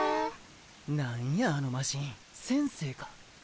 なんやあのマジン先生か！